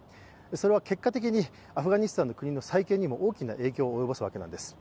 それは結果的にアフガニスタンの国の再建にも大きく影響を及ぼすわけです。